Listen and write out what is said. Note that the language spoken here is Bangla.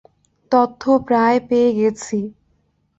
তথ্য প্রায় পেয়ে গেছি।